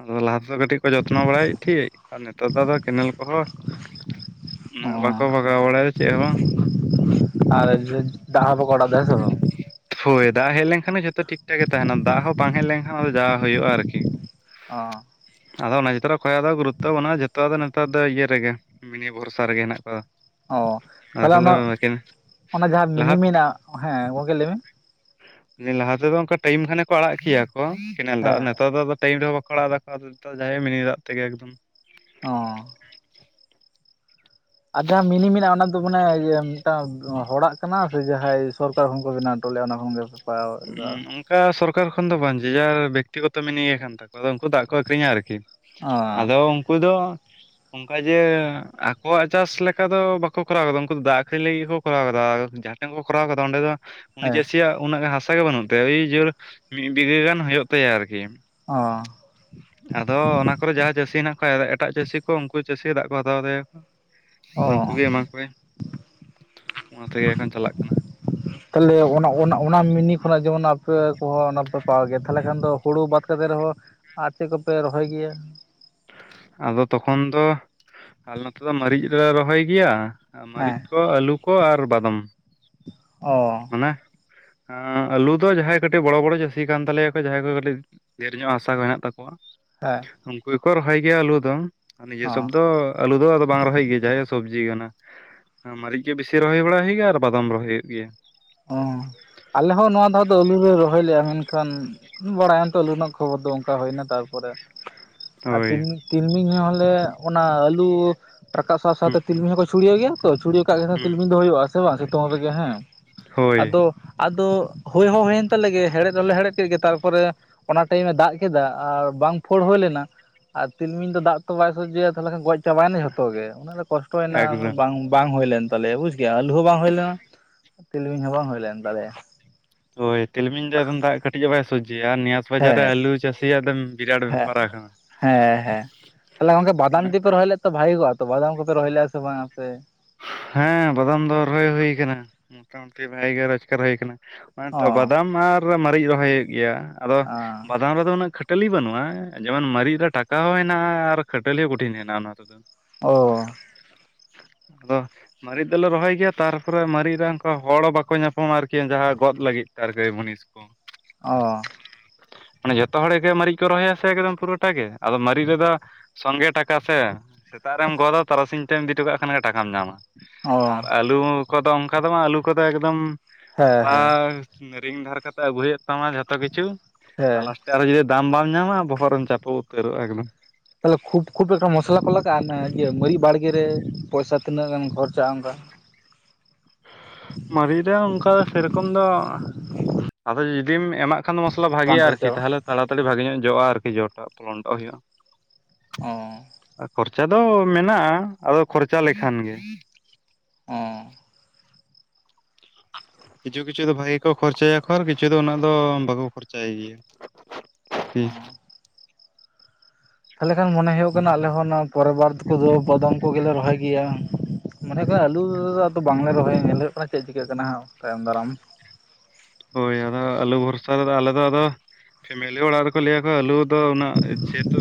ᱟᱫᱚ ᱞᱟᱦᱟ ᱛᱮᱫᱚ ᱠᱟᱹᱴᱤᱡ ᱠᱚ ᱡᱚᱛᱱᱚ ᱵᱟᱲᱟᱭᱮᱫ ᱛᱟᱸᱦᱮᱫ ᱟᱨ ᱱᱮᱛᱟᱨ ᱟᱚᱫᱚ ᱠᱮᱱᱮᱞ ᱠᱚᱦᱚᱸᱼᱼ ᱩᱱᱟᱹᱜ ᱚ ᱵᱟᱠᱚ ᱵᱟᱜᱟᱣ ᱵᱟᱲᱟᱭᱟᱫᱟ ᱪᱮᱫ ᱦᱚᱸ ᱵᱟᱝ। ᱟᱨ ᱤᱭᱟᱹ ᱫᱟᱜ ᱦᱚᱸ ᱵᱟᱠᱚ ᱟᱲᱟᱜ ᱫᱟ ᱦᱚᱸᱥᱮ ᱟᱲᱟᱜ ᱫᱟ ᱥᱮ ᱵᱟᱝ? ᱦᱳᱭ ᱫᱟᱜ ᱦᱮᱡ ᱞᱮᱱᱠᱷᱟᱱ ᱜᱮ ᱡᱷᱚᱛᱚ ᱴᱷᱤᱠ ᱴᱷᱟᱠ ᱜᱮ ᱛᱟᱦᱮᱱᱟ। ᱫᱟᱜ ᱦᱚᱸ ᱵᱟᱝ ᱦᱮᱡ ᱞᱮᱱᱠᱷᱟᱱ ᱡᱟ ᱡᱟ ᱦᱚᱭᱩᱜ-ᱟ ᱦᱩᱭᱩᱜᱼᱟ ᱟᱨᱠᱤ। ᱚ᱾ ᱟᱫᱚ ᱚᱱᱟ ᱪᱮᱛᱟᱱ ᱨᱮ ᱠᱷᱚᱡᱭᱟᱜ ᱫᱚ ᱜᱩᱨᱩᱛᱚ ᱵᱟᱹᱱᱩᱜᱼᱟ ᱡᱷᱚᱛᱚ ᱟᱫᱚ ᱱᱮᱛᱟᱨ ᱫᱚ ᱤᱭᱟᱹ ᱨᱮᱜᱮ। ᱢᱤᱱᱤ ᱵᱷᱚᱨᱥᱟ ᱨᱮᱜᱮ ᱦᱮᱱᱟᱜ ᱠᱚᱣᱟ। ᱚᱻ ᱛᱟᱦᱚᱞᱮ ᱟᱫᱚ ᱚᱱᱟ ᱚᱱᱟ ᱡᱟᱦᱟᱸ ᱢᱤᱱᱤ ᱞᱟᱦᱟ ᱢᱮᱱᱟᱜᱼᱟ᱾ ᱦᱮᱸ ᱜᱚᱢᱠᱮ ᱞᱟᱹᱭ ᱢᱮ। ᱩᱱ ᱫᱤᱱ ᱜᱞᱫᱚ ᱚᱱᱠᱟ ᱞᱟᱭᱤᱢ ᱠᱷᱟᱱᱮ ᱠᱚ ᱚᱱᱠᱟ ᱴᱟᱭᱤᱢ ᱠᱷᱟᱱᱮ ᱠᱚ ᱟᱲᱟᱜ ᱠᱮᱭᱟ ᱠᱚ ᱠᱮᱱᱮᱞ ᱫᱟᱜ। ᱦᱮᱸ ᱱᱮᱛᱟᱨ ᱫᱚ ᱟᱫᱚ ᱼᱼ ᱴᱟᱭᱤᱢ ᱨᱮᱦᱚᱸ ᱵᱟᱠᱚ ᱟᱲᱟᱜ ᱫᱟᱠᱚ ᱟᱫᱚ ᱡᱟᱦᱟᱸᱦᱳᱠ ᱢᱤᱱᱤ ᱫᱟᱜ ᱛᱮᱜᱮ ᱮᱠᱫᱚᱢ ᱼᱼ ᱦᱚᱸ ᱾ ᱟᱫᱚ ᱦᱟᱸᱜ ᱢᱤᱱᱤ ᱢᱮᱱᱟᱜᱼᱟ ᱚᱱᱟ ᱫᱚ ᱢᱟᱱᱮ ᱢᱤᱫᱴᱟᱝ ᱦᱚᱲᱟᱜ ᱠᱟᱱᱟ, ᱥᱮ ᱡᱟᱦᱟᱸᱭ ᱥᱚᱨ ᱼᱼ ᱛᱟᱹᱦᱩ ᱠᱚ ᱵᱮᱱᱟᱣ ᱦᱚᱴᱚ ᱞᱮᱜᱼᱟ ᱚᱱᱟ ᱠᱷᱚᱱ ᱜᱮ ᱼᱼ ᱦᱩᱸ *unintelligible* ᱠᱟ ᱥᱚᱨᱠᱟᱨ ᱠᱷᱚᱱ ᱫᱚ ᱵᱟᱝ ᱡᱮ ᱡᱟᱨ ᱵᱮᱠᱛᱤᱜᱚᱛᱚ ᱢᱤᱱᱤ ᱜᱮ ᱠᱟᱱ ᱛᱟᱠᱚᱣᱟ ᱟᱫᱚ ᱩᱱᱠᱩ ᱫᱚ ᱫᱟᱜᱽ ᱠᱚ ᱟᱠᱷᱨᱤᱧᱟ ᱟᱨᱠᱤ ᱚ ᱾ ᱟᱫᱚ ᱩᱱᱠᱩ ᱫᱚ ᱚᱱᱠᱟ ᱡᱮ ᱟᱠᱚᱣᱟᱜ ᱪᱟᱥ ᱞᱮᱠᱟ ᱫᱚ ᱵᱟᱠᱚ ᱠᱚᱨᱟᱣ ᱟᱫᱟ ᱩᱱᱠᱩ ᱫᱚ ᱫᱟᱜᱽ ᱟᱠᱷᱨᱤᱧ ᱞᱟᱹᱜᱤᱫ ᱜᱮᱠᱚ ᱠᱚᱨᱟᱣ ᱟᱫᱟ ᱡᱷᱟᱴ ᱴᱟᱝ ᱠᱚ ᱠᱚᱨᱟᱣ ᱨᱟ ᱠᱟᱫᱟ ᱚᱸᱰᱮ ᱫᱚ ᱩᱱᱤ ᱦᱮᱸ ᱪᱟᱹᱥᱤᱭᱟᱜ ᱩᱱᱟᱹᱜ ᱜᱟᱱ ᱦᱟᱥᱟ ᱜᱮ ᱵᱟᱹᱱᱩᱜ ᱛᱟᱭᱟ ᱩᱭ ᱡᱚᱨ ᱢᱤᱫ ᱵᱤᱜᱷᱟᱹ ᱜᱟᱱ ᱦᱩᱭᱩᱜ ᱛᱟᱭᱟ ᱟᱨᱠᱤ ᱾ ᱚ ᱾ ᱟᱫᱚ ᱚᱱᱟ ᱠᱚᱨᱮ ᱡᱟᱦᱟᱸ ᱪᱟᱹᱥᱤ ᱦᱮᱱᱟᱜ ᱠᱚᱣᱟ ᱮᱴᱟᱜ ᱪᱟᱹᱥᱤ ᱠᱚ ᱩᱱᱠᱩ ᱪᱟᱹᱥᱤ ᱫᱟᱜᱽ ᱠᱚ ᱦᱟᱛᱟᱣ ᱛᱟᱭᱟ ᱠᱚ᱾ ᱚ ᱩᱱᱠᱩ ᱜᱮ ᱮᱢᱟ ᱠᱚᱣᱟᱭ, ᱚᱱᱟ ᱛᱮᱜᱮ ᱮᱠᱷᱚᱱ ᱪᱟᱞᱟᱜ ᱠᱟᱱᱟ ᱾ *inaudible* ᱛᱟᱞᱮ ᱚᱱᱟ ᱚᱱᱟ ᱚᱱᱟ ᱢᱤᱱᱤ ᱠᱷᱚᱱᱟᱜ ᱡᱮᱢᱚᱱ ᱟᱯᱮ ᱠᱚᱦᱚᱸ ᱚᱱᱟ ᱯᱮ ᱯᱟᱣ ᱜᱮᱭᱟ ᱛᱟᱦᱞᱮ ᱠᱷᱟᱱ ᱫᱚ ᱦᱩᱲᱩ ᱵᱟᱫ ᱠᱟᱛᱮ ᱨᱮᱦᱚᱸ ᱟᱨ ᱪᱮᱜ ᱠᱚᱯᱮ ᱨᱚᱦᱚᱭ ᱜᱮᱭᱟ? ᱟᱫᱚ ᱛᱚᱠᱷᱚᱱ ᱫᱚ ᱟᱞᱮ ᱱᱚᱛᱮ ᱫᱚ ᱢᱟᱨᱤᱪ ᱞᱮ ᱨᱚᱦᱚᱭ ᱜᱮᱭᱟ ᱦᱮᱸ ᱢᱟᱨᱤᱪ ᱠᱚ ᱟᱹᱞᱩ ᱠᱚ ᱟᱨ ᱵᱟᱫᱚᱢ ᱾ ᱚ ᱾ ᱱᱟ ᱾ ᱟᱸ ᱟᱹᱞᱩ ᱫᱚ ᱡᱟᱦᱟᱸᱭ ᱠᱟᱹᱴᱤᱡ ᱵᱚᱲᱚ ᱵᱚᱲᱚ ᱪᱟᱹᱥᱤ ᱠᱟᱱ ᱛᱟᱞᱮᱭᱟᱠᱚ ᱡᱟᱦᱟᱸᱭ ᱠᱚ ᱠᱟᱹᱴᱤᱡ ᱰᱷᱮᱨ ᱧᱚᱜ ᱦᱟᱥᱟ ᱠᱚ ᱦᱮᱱᱟᱜ ᱛᱟᱠᱚᱣᱟ ᱾ ᱦᱮ ᱾ ᱩᱱᱠᱩ ᱜᱮᱠᱚ ᱨᱚᱦᱚᱭ ᱜᱮᱭᱟ ᱟᱞᱩ ᱫᱚ ᱟᱨ ᱱᱤᱡᱮ ᱚ ᱥᱚᱵ ᱫᱚ ᱟᱞᱩ ᱫᱚ ᱟᱫᱚ ᱵᱟᱝ ᱨᱚᱦᱚᱭ ᱜᱮᱭᱟ ᱡᱟᱦᱟᱸᱭᱟ ᱥᱚᱵᱽᱡᱤ ᱠᱟᱱᱟ ᱾ ᱢᱟᱹᱨᱤᱡ ᱜᱮ ᱵᱮᱥᱤ ᱨᱚᱦᱚᱭ ᱵᱟᱲᱟ ᱦᱩᱭᱩᱜ ᱜᱮᱭᱟ ᱟᱨ ᱵᱟᱫᱟᱢ ᱨᱚᱦᱚᱭ ᱦᱩᱭᱩᱜ ᱜᱮᱭᱟ᱾ ᱚᱸ ᱟᱞᱮ ᱦᱚᱸ ᱱᱚᱣᱟ ᱫᱷᱟᱣ ᱫᱚ ᱟᱹᱞᱩ ᱞᱮ ᱨᱚᱦᱚᱭ ᱞᱮᱜᱼᱟ ᱢᱮᱱᱠᱷᱟᱱ ᱵᱟᱲᱟᱭᱟᱢ ᱛᱚ ᱟᱞᱩ ᱨᱮᱱᱟᱜ ᱠᱷᱚᱵᱚᱨ ᱫᱚ ᱚᱱᱠᱟ ᱦᱩᱭᱱᱟ ᱛᱟᱨᱯᱚᱨᱮ ᱟᱨ ᱦᱳᱭ ᱛᱤᱞ ᱛᱤᱞᱢᱤᱧ ᱦᱚᱞᱮ ᱚᱱᱟ ᱟᱹᱞᱩ ᱨᱟᱠᱟᱵ ᱥᱟᱶ ᱦᱩᱸ ᱥᱟᱶᱛᱮ ᱛᱤᱞᱢᱤᱧ ᱦᱚᱸᱠᱚ ᱪᱷᱩᱲᱭᱟᱹᱣ ᱜᱮᱭᱟ ᱛᱚ ᱪᱷᱩᱲᱭᱟᱹᱣ ᱠᱟᱜ ᱠᱷᱟᱱ ᱦᱩᱸ ᱛᱤᱞᱢᱤ ᱫᱚ ᱦᱩᱭᱩᱜᱼᱟ ᱥᱮ ᱵᱟᱝ ᱥᱤᱛᱩᱝ ᱨᱮᱜᱮ ᱦᱮᱸ ᱾ ᱦᱳᱭ ᱟᱫᱚ ᱟᱫᱚ ᱦᱩᱭ ᱦᱚᱸ ᱦᱩᱭᱮᱱ ᱛᱟᱞᱮ ᱜᱮ ᱦᱮᱲᱦᱮᱫ ᱦᱚᱞᱮ ᱦᱮᱲᱦᱮᱫ ᱠᱮᱫ ᱜᱮ ᱛᱟᱨᱯᱚᱨᱮ ᱚᱱᱟ ᱴᱟᱭᱤᱢᱮ ᱫᱟᱜᱽ ᱠᱮᱫᱟ ᱟᱨ ᱵᱟᱝ ᱯᱷᱟᱹᱲ ᱦᱩᱭ ᱞᱮᱱᱟ ᱟᱨ ᱛᱤᱞᱢᱤᱧ ᱫᱚ ᱫᱟᱜᱽ ᱛᱚ ᱵᱟᱭ ᱥᱚᱡᱷᱚᱭᱟ ᱛᱟᱦᱞᱮ ᱠᱷᱟᱱ ᱜᱚᱡ ᱪᱟᱵᱟᱭᱮᱱᱟ ᱡᱷᱚᱛᱚ ᱜᱮ ᱩᱱᱟᱹᱜ ᱞᱮ ᱠᱚᱥᱴᱚᱭᱮᱱᱟ ᱮᱠᱫᱚᱢ ᱵᱟᱝ ᱵᱟᱝ ᱦᱩᱭᱞᱮᱱ ᱛᱟᱞᱮᱭᱟ ᱵᱩᱡ ᱠᱮᱭᱟ ᱟᱹᱞᱩ ᱦᱚᱸ ᱵᱟᱝ ᱦᱩᱭ ᱞᱮᱱᱟ ᱾ ᱛᱤᱞᱢᱤᱧ ᱦᱚᱸ ᱵᱟᱝ ᱦᱩᱭᱞᱮᱱ ᱛᱟᱞᱮᱭᱟ ᱾ ᱦᱚᱭ ᱛᱤᱞᱢᱤᱧ ᱫᱚ ᱮᱠᱷᱚᱱ ᱫᱟᱜᱽ ᱠᱟᱹᱴᱤᱡ ᱮ ᱵᱟᱭ ᱥᱚᱡᱷᱭᱟ ᱱᱤᱭᱟᱥ ᱵᱟᱡᱟᱨ ᱨᱮ ᱟᱹᱞᱩ ᱪᱟᱹᱥᱤᱭᱟ ᱫᱚᱢ ᱦᱮ ᱦᱮ ᱦᱮ ᱛᱟᱦᱞᱮ ᱜᱚᱝᱠᱮ ᱵᱟᱫᱟᱢ ᱫᱤ ᱯᱮ ᱨᱚᱦᱚᱭ ᱞᱮᱫ ᱛᱚ ᱵᱷᱟᱜᱤ ᱠᱚᱜᱼᱟ ᱛᱚ ᱵᱟᱫᱟᱢ ᱠᱚᱯᱮ ᱨᱚᱦᱚᱭ ᱞᱮᱜᱼᱟ ᱥᱮ ᱵᱟᱝᱟ ᱟᱯᱮ ᱦᱮᱸ ᱵᱟᱫᱟᱢ ᱫᱚ ᱨᱚᱦᱚᱭ ᱦᱩᱭ ᱭᱟᱠᱟᱱᱟ ᱢᱚᱴᱟ ᱢᱩᱴᱤ ᱵᱷᱟᱜᱤ ᱜᱮ ᱨᱚᱡᱜᱟᱨ ᱦᱩᱭ ᱠᱟᱱᱟ ᱾ ᱚ ᱚᱱᱮᱛᱚ ᱵᱟᱫᱟᱢ ᱟᱨ ᱢᱟᱨᱤᱪ ᱨᱚᱦᱚᱭ ᱦᱩᱭᱩᱜ ᱜᱮᱭᱟ, ᱟᱫᱚ ᱵᱟᱫᱟᱢ ᱨᱮᱫᱚ ᱩᱱᱟᱹᱜ ᱠᱷᱟᱹᱴ ᱴᱟᱹᱞᱤ ᱵᱟᱹᱱᱩᱜᱼᱟ, ᱡᱮᱢᱚᱱ ᱢᱟᱨᱤᱡ ᱨᱮ ᱴᱟᱠᱟ ᱦᱚᱸ ᱦᱮᱱᱟᱜᱼᱟ ᱟᱨ ᱠᱷᱟᱹᱴᱟᱹᱞᱤ ᱦᱚᱸ ᱠᱩᱴᱷᱤᱱ ᱦᱮᱱᱟᱜᱼᱟ ᱚᱱᱟ ᱛᱮᱫᱚ ᱾ ᱚ ᱾ ᱟᱫᱚ ᱢᱟᱨᱤᱪ ᱫᱚᱞᱮ ᱨᱚᱦᱚᱭ ᱜᱮᱭᱟ ᱛᱟᱨᱯᱚᱨᱮ ᱢᱟᱨᱤᱪ ᱨᱮᱱ ᱠᱚ ᱦᱚᱲ ᱵᱟᱠᱚ ᱧᱟᱯᱟᱢᱟ ᱟᱨᱠᱤ ᱡᱟᱦᱟᱸ ᱜᱚᱫ ᱞᱟᱹᱜᱤᱫ ᱛᱮ ᱟᱨᱠᱤ ᱢᱩᱱᱤᱥ ᱠᱚ ᱾ ᱚ ᱾ ᱢᱟᱱᱮ ᱡᱷᱚᱛᱚ ᱦᱚᱲ ᱜᱮ ᱢᱟᱨᱤᱡ ᱠᱚ ᱨᱚᱦᱚᱭᱟ ᱥᱮ ᱮᱠᱫᱚᱢ ᱯᱩᱨᱟᱹᱴᱟ ᱜᱮ ᱟᱫᱚ ᱢᱟᱨᱤᱪ ᱨᱮᱫᱚ ᱥᱚᱝᱜᱮ ᱴᱟᱠᱟ ᱥᱮ, ᱥᱮᱛᱟᱜ ᱨᱮᱢ ᱜᱚᱫᱟ ᱛᱟᱨᱟᱥᱤᱧ ᱛᱮᱢ ᱤᱫᱤ ᱦᱚᱴᱚ ᱠᱟᱜ ᱠᱷᱟᱱ ᱜᱮ ᱴᱟᱠᱟᱢ ᱧᱟᱢᱟ, ᱚ ᱟᱨ ᱟᱹᱞᱩ ᱠᱚᱫᱚ ᱚᱱᱠᱟ ᱫᱚ ᱵᱟᱝ, ᱟᱹᱞᱩ ᱠᱚᱫᱚ ᱮᱠᱫᱚᱢ ᱦᱮᱸ ᱦᱮᱸ ᱦᱟᱛᱟᱣ ᱨᱤᱝ ᱫᱷᱟᱨ ᱠᱟᱛᱮ ᱟᱹᱜᱩ ᱦᱩᱭᱩᱜ ᱛᱟᱢᱟ ᱡᱷᱚᱛᱚ ᱠᱤᱪᱷᱩ ᱦᱮᱸ ᱟᱨ ᱞᱟᱥ ᱴᱮ ᱟᱨᱚ ᱡᱩᱫᱤ ᱫᱟᱢ ᱵᱟᱢ ᱧᱟᱢᱟ ᱵᱚᱦᱚᱜ ᱨᱮᱢ ᱪᱟᱯᱚ ᱩᱛᱟᱹᱨᱚᱜᱼᱟ ᱮᱠᱫᱚᱢ᱾ ᱛᱟᱞᱦᱮ ᱠᱷᱩᱵ ᱠᱷᱩᱵ ᱮᱠᱴᱟ ᱢᱚᱥᱞᱟ ᱠᱚ ᱞᱟᱜᱟᱜᱼᱟ ᱚᱱᱟ ᱤᱭᱟᱹ ᱢᱟᱨᱤᱡ ᱵᱟᱲᱜᱮ ᱨᱮ, ᱯᱚᱭᱥᱟ ᱛᱤᱱᱟᱹᱜ ᱜᱟᱱ ᱠᱷᱚᱨᱪᱟᱜᱼᱟ ᱚᱱᱠᱟ? *inaudible* ᱢᱟᱨᱤᱪ ᱨᱮ ᱚᱱᱠᱟ ᱥᱮᱨᱚᱠᱚᱢ ᱫᱚ ᱟᱫᱚ ᱡᱩᱫᱤᱢ ᱮᱢᱟᱜ ᱠᱷᱟᱱ ᱫᱚ ᱢᱚᱥᱞᱟ ᱵᱟᱝ ᱵᱷᱟᱜᱮ-ᱟ ᱟᱨᱠᱤ ᱠᱷᱚᱨᱪᱟᱜᱼᱟ ᱵᱟᱝ? ᱛᱟᱦᱞᱮ ᱛᱟᱲᱟ ᱛᱟᱲᱤ ᱵᱷᱟᱜᱮ ᱧᱚᱜ ᱡᱚᱜ-ᱟ ᱟᱨᱠᱤ ᱡᱚᱴᱟᱜ ᱯᱚᱞᱚᱱᱴᱟᱜ ᱚ ᱦᱩᱭᱩᱜ-ᱟ᱾ *inaudible* ᱪᱟ ᱫᱚ ᱢᱮᱱᱟᱜ-ᱟ᱾ ᱟᱫᱚ ᱠᱷᱚᱨᱪᱟ ᱞᱮᱠᱷᱟᱱ ᱜᱮ᱾ ᱚᱸᱻ ᱠᱤᱪᱷᱩ ᱠᱤᱪᱷᱩ ᱫᱚ ᱵᱷᱟᱜᱮ ᱜᱮᱠᱚ ᱠᱷᱚᱨᱪᱟᱭᱟ ᱠᱷᱚᱨ ᱠᱤᱪᱷᱩ ᱫᱚ ᱩᱱᱟᱹᱜ ᱫᱚ ᱵᱟᱠᱚ ᱠᱷᱚᱨᱪᱟᱭ ᱜᱮᱭᱟ᱾ ᱟᱨᱠᱤ᱾ ᱟᱸᱻ ᱛᱟᱞᱦᱮ ᱠᱷᱟᱱ ᱢᱚᱱᱮ ᱦᱩᱭᱩᱜ ᱠᱟᱱᱟ ᱟᱞᱮ ᱦᱚᱸ ᱚᱱᱟ ᱯᱚᱨᱮᱵᱟᱨᱫ ᱠᱚᱫᱚ ᱠᱚᱫᱚᱢ ᱠᱚᱜᱮᱞᱮ ᱨᱚᱦᱚᱭ ᱜᱮᱭᱟ᱾ ᱢᱚᱱᱮ ᱦᱩᱭᱩᱜ ᱟᱞᱩ ᱟᱫᱚ ᱵᱟᱝᱞᱮ ᱨᱚᱦᱚᱭᱟ ᱧᱮᱞ ᱦᱩᱭᱩᱜ ᱠᱟᱱᱟ ᱪᱮᱫ ᱪᱤᱠᱟᱹᱜ ᱠᱟᱱᱟ ᱦᱟᱸᱜ ᱛᱟᱭᱚᱢ ᱫᱟᱨᱟᱢ᱾ ᱦᱳᱭ ᱟᱫᱚ ᱟᱞᱩ ᱵᱷᱚᱨᱥᱟ ᱨᱮᱫᱚ ᱟᱞᱮ ᱫᱚ ᱟᱫᱚ ᱯᱷᱮᱢᱮᱞᱤ ᱚᱲᱟᱜ ᱨᱮᱠᱚ ᱞᱟᱹᱭ ᱟᱠᱚᱣᱟ ᱟᱞᱩ ᱫᱚ ᱩᱱᱟᱹᱜ ᱡᱮᱦᱩᱛᱩ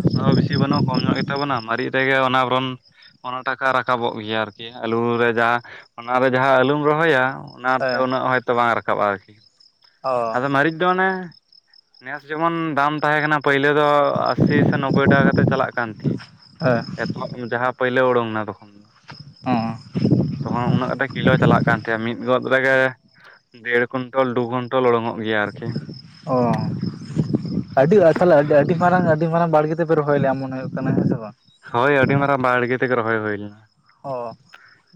ᱦᱟᱥᱟ ᱦᱚᱸ ᱵᱮᱥᱤ ᱵᱟᱹᱱᱩᱜ-ᱟ ᱠᱚᱢ ᱧᱚᱜ ᱜᱮᱛᱟ ᱵᱚᱱᱟ ᱢᱟᱨᱤᱡ ᱨᱮᱜᱮ ᱚᱱᱟ ᱵᱚᱨᱚᱱ ᱚᱱᱟ ᱴᱟᱠᱟ ᱨᱟᱠᱟᱵᱚᱜ ᱜᱮᱭᱟ ᱟᱨᱠᱤ, ᱟᱞᱩ ᱨᱮ ᱡᱟᱸᱦᱟ ᱚᱱᱟᱨᱮ ᱡᱟᱸᱦᱟ ᱟᱞᱩᱢ ᱨᱚᱦᱚᱭᱟ, ᱚᱱᱟ ᱛᱮ ᱦᱮᱸ ᱩᱱᱟᱹᱜ ᱦᱚᱭᱛᱚ ᱵᱟᱝ ᱨᱟᱠᱟᱵ-ᱟ ᱟᱨᱠᱤ, ᱚ ᱟᱫᱚ ᱢᱟᱹᱨᱤᱪ ᱫᱚ ᱚᱱᱮ ᱱᱮᱥ ᱡᱮᱢᱚᱱ ᱫᱟᱢ ᱛᱟᱸᱦᱮ ᱠᱟᱱᱟ ᱯᱟᱹᱭᱞᱟᱹ ᱫᱚ ᱟᱥᱤ ᱥᱮ ᱱᱚᱵᱵᱳᱭ ᱴᱟᱠᱟ ᱠᱟᱛᱮᱫ ᱪᱟᱞᱟᱜ ᱠᱟᱱ ᱦᱮᱸ ᱛᱟᱸᱦᱮᱜ᱾ ᱪᱟᱞᱟᱜ ᱡᱟᱸᱦᱟ ᱯᱟᱹᱭᱞᱟᱹ ᱳᱰᱳᱝ ᱱᱟ ᱛᱚᱠᱷᱚᱱ ᱫᱚ᱾ ᱚᱸ᱾ ᱛᱚᱠᱷᱚᱱ ᱩᱱᱟᱹᱜ ᱠᱟᱛᱮ ᱠᱤᱞᱳ ᱪᱟᱞᱟᱜ ᱠᱟᱱ ᱛᱟᱦᱮᱜ-ᱟ ᱢᱤᱫ ᱜᱚᱫ ᱨᱮᱜᱮ ᱫᱮᱲ ᱠᱩᱱᱴᱚᱞ ᱫᱩ ᱠᱩᱱᱴᱚᱞ ᱳᱰᱚᱝ-ᱚᱜ ᱜᱮᱭᱟ ᱟᱨᱠᱤ᱾ ᱚ᱾ ᱟᱹᱰᱤ ᱟᱨ ᱛᱟᱞᱦᱮ ᱟᱹᱰᱤ ᱢᱟᱨᱟᱝ ᱟᱹᱰᱤ ᱢᱟᱨᱟᱝ ᱵᱟᱲᱜᱮ ᱛᱮᱯᱮ ᱨᱚᱦᱚᱭ ᱞᱮᱜ-ᱟ ᱢᱚᱱᱮ ᱦᱩᱭᱩᱜ ᱠᱟᱱᱟ, ᱦᱮᱸ ᱥᱮ ᱵᱟᱝ? ᱦᱳᱭ ᱟᱹᱰᱤ ᱦᱮᱸ ᱢᱟᱨᱟᱝ ᱵᱟᱲᱜᱮ ᱛᱮᱜᱮ ᱨᱚᱦᱚᱭ ᱦᱩᱭ ᱞᱮᱱᱟ᱾ ᱚ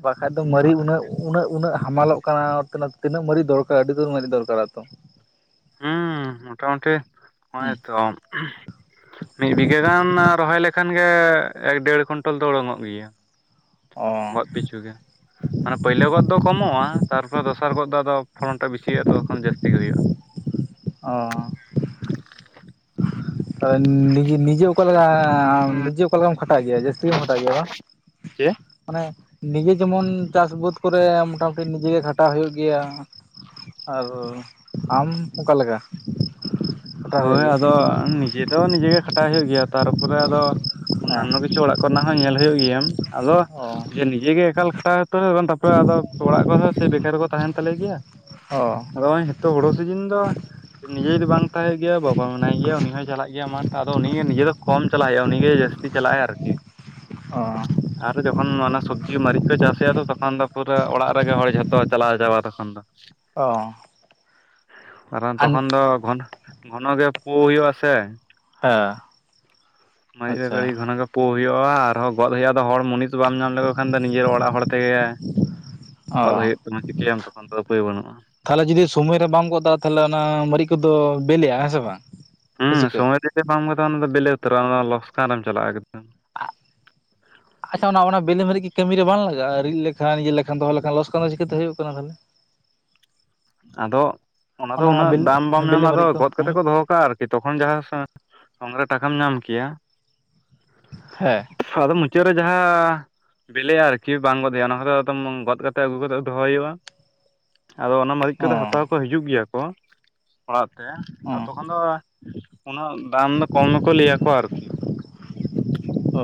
ᱵᱟᱠᱷᱟᱡ ᱫᱚ ᱢᱟᱹᱨᱤᱡ ᱩᱱᱟᱹᱜ ᱩᱱᱟᱹᱜ ᱩᱱᱟᱹᱜ ᱦᱟᱢᱟᱞᱚᱜ ᱠᱟᱱᱟ, ᱛᱤᱱᱟᱹᱜ ᱛᱤᱱᱟᱹᱜ ᱢᱟᱹᱨᱤᱪ ᱫᱚᱨᱠᱟᱨᱚ-ᱟ, ᱟᱹᱰᱤ ᱩᱛᱟᱟ ᱢᱟᱨᱤᱡ ᱫᱚᱨᱠᱟᱨᱟ ᱛᱚ᱾ ᱦᱩᱸ ᱢᱳᱚᱴᱟᱢᱩᱴᱤ ᱦᱚᱸᱜ-ᱚᱭ ᱛᱚ ᱢᱤᱫ ᱵᱤᱜᱷᱟᱹ ᱜᱟᱱ ᱨᱚᱦᱚᱭ ᱞᱮᱠᱷᱟᱱ ᱜᱮ ᱮᱠ ᱫᱮᱲ ᱠᱩᱱᱴᱚᱞ ᱫᱚ ᱳᱰᱳᱝᱚᱜ ᱜᱮᱭᱟ᱾ ᱚ ᱜᱟᱫᱽ ᱯᱤᱪᱷᱩ ᱜᱮ᱾ *inaudible* ᱢᱟᱱᱮ ᱯᱟᱹᱭᱞᱟᱹ ᱜᱚᱫ ᱫᱚ ᱠᱚᱢᱚᱜ-ᱟ, ᱛᱟᱨᱯᱚᱨ ᱫᱚᱥᱟᱨ ᱜᱚᱫ ᱫᱚ ᱟᱫᱚ ᱯᱷᱚᱞᱚᱱᱴᱟᱜ ᱵᱤᱥᱤ ᱦᱩᱭᱩᱜ-ᱟ, ᱛᱚᱛᱚ ᱠᱷᱚᱱ ᱡᱟᱹᱥᱛᱤ ᱜᱮ ᱦᱩᱭᱩᱜ-ᱟ᱾ ᱚ᱾ ᱦᱳᱭ ᱱᱤᱡᱮ ᱱᱤᱡᱮ ᱚᱠᱟ ᱞᱮᱠᱟ ᱮ ᱱᱤᱡᱮ ᱚᱠᱟ ᱞᱮᱠᱟᱢ ᱠᱷᱟᱴᱟᱜ ᱜᱮᱭᱟ ᱡᱟᱹᱥᱛᱤ ᱜᱮᱢ ᱠᱷᱟᱴᱟᱜ ᱜᱮᱭᱟ ᱵᱟᱝ? ᱪᱮᱫ ᱢᱟᱱᱮ ᱱᱤᱡᱮ ᱡᱮᱢᱚᱱ ᱪᱟᱥ ᱵᱟᱹᱫᱽ ᱠᱚᱨᱮ ᱢᱚᱴᱟᱢᱩᱴᱤ ᱱᱤᱡᱮ ᱜᱮ ᱠᱷᱟᱴᱟᱜ ᱦᱩᱭᱩᱜ ᱜᱮᱭᱟ᱾ ᱟᱨ ᱟᱢ ᱚᱠᱟ ᱞᱮᱠᱟ ᱠᱟᱴᱟᱣ ᱦᱩᱭᱩᱜ ᱦᱳᱭ ᱜᱮᱭᱟ? ᱟᱫᱚ ᱱᱤᱡᱮ ᱫᱚ ᱱᱤᱡᱮ ᱜᱮ ᱠᱷᱟᱴᱟᱜ ᱦᱩᱭᱩᱜ ᱜᱮᱭᱟ ᱛᱟᱨᱯᱚᱨᱮ ᱟᱫᱚ ᱚᱱᱟ ᱚᱱᱱᱟᱱᱚ ᱦᱮᱸ ᱠᱤᱪᱷᱩ ᱚᱲᱟᱜ ᱠᱚᱨᱮᱱᱟᱜ ᱦᱚᱸ ᱧᱮᱞ ᱦᱩᱭᱩᱜ ᱜᱮᱭᱟ, ᱟᱫᱚ ᱚ ᱡᱮ ᱱᱤᱡᱮ ᱜᱮ ᱮᱠᱟᱞ ᱠᱷᱟᱴᱟᱣ *inaudible* ᱛᱟᱯᱚᱨᱮ ᱟᱫᱚ ᱚᱲᱟᱜ ᱠᱚᱨᱮ ᱦᱚᱸ ᱥᱮᱭ ᱵᱮᱠᱟᱨ ᱠᱚ ᱛᱟᱦᱮᱱ ᱛᱟᱞᱮ ᱜᱮᱭᱟ᱾ ᱚ᱾ ᱱᱚᱜ-ᱚᱭ ᱦᱮᱛᱚᱜ ᱦᱩᱲᱩ ᱥᱤᱡᱤᱱ ᱫᱚ, ᱱᱤᱡᱮ ᱡᱩᱫᱤ ᱵᱟᱝ ᱢᱮᱛᱟᱭ ᱜᱮᱭᱟ, ᱵᱟᱵᱟ ᱢᱮᱱᱟᱭ ᱜᱮᱭᱟ, ᱩᱱᱤ ᱦᱚᱸᱭ ᱪᱟᱞᱟᱜ ᱜᱮᱭᱟ ᱢᱟᱨᱴ, ᱟᱫᱚ ᱩᱱᱤ ᱦᱚᱸ ᱱᱤᱡᱟᱹ ᱫᱚ ᱠᱚᱢ ᱪᱟᱞᱟᱣ ᱦᱩᱭᱩᱜ-ᱟ, ᱩᱱᱤᱜᱮ ᱡᱟᱹᱥᱛᱤ ᱪᱟᱞᱟᱜ-ᱟᱭ ᱟᱨᱠᱤ᱾ ᱚ ᱟᱨᱦᱚ ᱡᱚ, ᱚᱱ ᱚᱱᱟ ᱥᱚᱵᱽᱡᱤ ᱢᱟᱨᱤᱪ ᱠᱚ ᱪᱟᱥ ᱮᱼᱟ, ᱛᱚ ᱛᱚᱠᱷᱚᱱ ᱫᱚ ᱯᱩᱨᱟᱹ ᱚᱲᱟᱜ ᱨᱮᱜᱮ ᱦᱚᱲ ᱡᱷᱚᱛᱚ ᱪᱟᱞᱟᱣ ᱪᱟᱵᱟ ᱛᱚᱠᱷᱚᱱ ᱫᱚ᱾ ᱚ, ᱢᱟᱨᱟᱝ ᱟᱨ ᱦᱮᱸ ᱛᱚᱠᱷᱚᱱ ᱫᱚ ᱮᱠᱷᱚᱱ ᱜᱷᱚᱱᱚ ᱜᱮ ᱯᱩ ᱦᱩᱭᱩᱜ-ᱟ, ᱥᱮ? ᱦᱮᱸ, ᱢᱟᱹᱨᱤᱜ ᱨᱮ ᱜᱷᱟᱹᱲᱤ ᱜᱷᱚᱱᱚ ᱜᱮ ᱯᱳ ᱦᱩᱭᱩᱜ-ᱟ, ᱟᱨᱦᱚᱸ ᱜᱚᱫ ᱦᱩᱭᱩᱜ-ᱟ, ᱫᱚ ᱦᱚᱲ ᱢᱩᱱᱤᱥ ᱫᱚ ᱵᱟᱢ ᱧᱟᱢ ᱞᱮᱠᱚ ᱠᱷᱟᱱ ᱫᱚ ᱱᱤᱡᱟᱹᱨ ᱚᱲᱟᱜ ᱦᱚᱲ ᱛᱮᱜᱮ, ᱚ ᱜᱚᱫ ᱦᱩᱭᱩᱜ ᱠᱟᱱᱟ, ᱪᱤᱠᱟᱹ ᱭᱟᱢ ᱛᱚᱠᱷᱚᱱ ᱫᱚ ᱩᱯᱟᱹᱭ ᱵᱟᱹᱱᱩᱜ-ᱟ᱾ ᱛᱟᱦᱮᱞᱮ ᱡᱩᱫᱤ ᱥᱳᱢᱚᱭ ᱨᱮ ᱵᱟᱢ ᱜᱚᱫ ᱫᱟᱲᱮᱜᱼᱟ, ᱛᱟᱦᱮᱞᱮ ᱚᱱᱟ ᱢᱟᱨᱤᱪ ᱠᱚᱫᱚ ᱵᱮᱞᱮᱜ-ᱟ, ᱦᱮᱸ ᱥᱮ ᱵᱟᱝ! ᱥᱮ ᱦᱩᱸ ᱪᱤᱠᱟᱹ ᱥᱚᱢᱚᱭ ᱨᱮ ᱡᱩᱫᱤ ᱵᱟᱢ ᱜᱚᱫᱟ, ᱚᱱᱟ ᱫᱚ ᱵᱮᱞᱮ ᱩᱛᱟᱹᱨᱚᱜ-ᱟ, ᱚᱱᱟ ᱞᱚᱥᱠᱟᱱ ᱨᱮᱢ ᱪᱟᱞᱟᱜ-ᱟ, ᱮᱠᱫᱚᱢ᱾ ᱟᱜ ᱟᱪᱪᱷᱟ ᱚᱱᱟ ᱚᱱᱟ ᱵᱤᱞᱮ ᱢᱟᱹᱨᱤᱡ ᱜᱮ ᱠᱟᱹᱢᱤ ᱨᱮ ᱵᱟᱝ ᱞᱟᱜᱟᱜ-ᱟ? ᱨᱤᱫ ᱞᱮᱠᱷᱟᱱ, ᱤᱭᱟᱹ ᱞᱮᱠᱷᱟᱱ, ᱫᱚᱦᱚ ᱞᱮᱠᱷᱟᱱ, ᱞᱚᱥᱠᱟᱱ ᱫᱚ ᱪᱤᱠᱟᱹᱛᱮ ᱦᱩᱭᱩᱜ ᱠᱟᱱᱟ ᱵᱷᱟᱞᱮ? *inaudible* ᱟᱫᱚᱜ ᱚᱱᱟ ᱫᱚ ᱩᱱᱟᱹᱜ ᱫᱟᱢ ᱵᱟᱢ ᱵᱮᱞᱮ ᱧᱟᱢᱼᱟ, ᱟᱫᱚ ᱢᱟᱹᱨᱤᱡ ᱜᱚᱫ ᱠᱟᱛᱮ ᱦᱩᱸ ᱠᱚ ᱫᱚᱦᱚ ᱠᱟᱜᱼᱟ, ᱟᱨᱠᱤ ᱛᱚᱠᱷᱚᱱ ᱡᱟᱦᱟᱸ ᱥᱟ ᱥᱚᱝ ᱨᱮ ᱴᱟᱠᱟᱢ ᱧᱟᱢ ᱠᱮᱭᱟ ᱦᱮ, ᱥᱟᱫᱚ ᱢᱩᱪᱟᱹᱫ ᱨᱮ ᱡᱟᱦᱟ ᱵᱤᱞᱮᱜᱼᱟ ᱟᱨᱠᱤ ᱵᱟᱝ ᱠᱚ ᱫᱷᱮᱭᱟᱱᱚ ᱚᱱᱟ ᱠᱳᱫᱳ ᱮᱠᱫᱚᱢ ᱵᱚᱱ ᱜᱚᱫ ᱠᱟᱛᱮ ᱟᱹᱜᱩ ᱠᱳᱫᱳ ᱫᱚᱦᱚ ᱦᱩᱭᱩᱜᱼᱟ᱾ ᱟᱫᱚ ᱚᱱᱟ ᱢᱟᱹᱨᱤᱪ ᱤᱸᱠᱟᱹ ᱚ ᱫᱚ ᱦᱟᱛᱟᱣ ᱠᱚ ᱦᱤᱡᱩᱜ ᱜᱮᱭᱟ ᱠᱚ ᱚᱲᱟᱜ ᱛᱮ, ᱚ ᱟᱨ ᱛᱚᱠᱷᱚᱱ ᱫᱚ ᱩᱱᱟᱹᱜ ᱫᱟᱢ ᱫᱚ ᱠᱚᱢ ᱜᱮᱠᱚ ᱞᱟᱹᱭ ᱭᱟᱠᱚᱣᱟ ᱟᱨᱠᱤ᱾ *unintelligible* ᱚ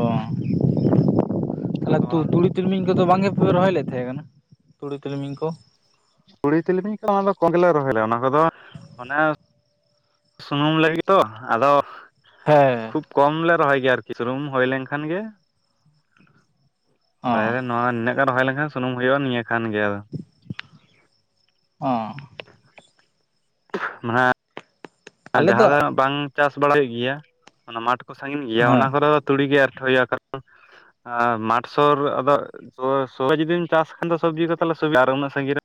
ᱛᱟᱦᱮᱞᱮ ᱟᱫᱚ ᱛᱩ ᱛᱩᱲᱤ ᱛᱤᱞᱢᱤᱧ ᱠᱚᱫᱚ ᱵᱟᱝ ᱜᱮᱯᱮ ᱨᱚᱦᱚᱭ ᱞᱮᱫ ᱛᱟᱦᱮᱸ ᱠᱟᱱᱟ, ᱛᱩᱲᱤ ᱛᱤᱞᱢᱤᱧ ᱠᱚ? ᱛᱩᱲᱤ ᱛᱤᱞᱢᱤᱧ ᱠᱚ ᱚᱱᱟ ᱫᱚ ᱠᱚᱢ ᱜᱮᱞᱮ ᱨᱚᱦᱚᱭ ᱞᱮᱜᱼᱟ, ᱚᱱᱟ ᱠᱚᱫᱚ ᱢᱟᱱᱮ ᱥᱩᱱᱩᱢ ᱞᱟᱹᱜᱤᱫ ᱛᱚ, ᱟᱫᱚ ᱦᱮᱻ, ᱠᱷᱩᱵ ᱠᱚᱢ ᱞᱮ ᱨᱚᱦᱚᱭ ᱜᱮᱭᱟ ᱟᱨᱠᱤ, ᱥᱩᱱᱩᱢ ᱦᱳᱭ ᱞᱮᱱᱠᱷᱟᱱ ᱜᱮ, ᱚ ᱵᱷᱟᱭ ᱨᱮᱱ ᱱᱚᱣᱟ ᱱᱤᱱᱟᱹᱜ ᱜᱟᱱ ᱦᱳᱭ ᱞᱮᱱᱠᱷᱟᱱ ᱥᱩᱱᱩᱢ ᱦᱩᱭᱩᱜᱼᱟ ᱱᱤᱭᱟᱹ ᱠᱷᱟᱱ ᱜᱮ ᱟᱫᱚ᱾ ᱚᱸᱻᱦ, *unintelligible* ᱢᱟ ᱱᱷᱟᱸᱜ ᱡᱟᱦᱟᱸ ᱫᱚ ᱱᱷᱟᱸᱜ ᱵᱟᱝ ᱪᱟᱥ ᱵᱟᱲᱟᱭ ᱜᱮᱭᱟ, ᱚᱱᱟ ᱢᱟᱴᱷ ᱠᱚ ᱥᱟᱺᱜᱤᱱ ᱜᱮᱭᱟ, ᱚᱱᱟ ᱦᱮᱸ ᱠᱚᱫᱚ ᱛᱩᱲᱤ ᱜᱮ ᱮᱨᱴᱷᱚ ᱦᱩᱭᱩᱜᱼᱟ, ᱠᱟᱨᱚᱬ ᱟᱸ ᱢᱟᱴ ᱥᱳᱨ ᱟᱫᱚ ᱥᱳᱵᱳᱭ, ᱥᱳᱵᱳ ᱡᱩᱫᱤᱢ ᱪᱟᱥ ᱠᱷᱟᱱ ᱫᱚ ᱥᱚᱵᱽᱡᱤ ᱠᱚ ᱛᱟᱦᱮᱞᱮ ᱥᱩᱵᱤᱫᱟ, ᱟᱨ ᱩᱱᱟᱹᱜ ᱥᱟᱹᱜᱤᱧ ᱨᱮᱢ